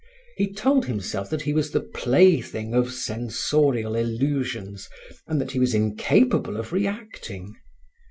He told himself that he was the play thing of sensorial illusions and that he was incapable of reacting.